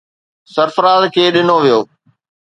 سرفراز کي ڏنو ويو.